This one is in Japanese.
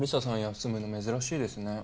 休むの珍しいですね。